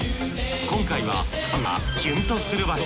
今回はファンがキュンとする場所